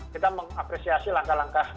kita mengapresiasi langkah langkah